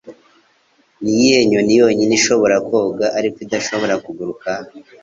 Niyihe nyoni yonyine ishobora koga ariko idashobora kuguruka?